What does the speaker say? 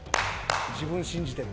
自分信じてる。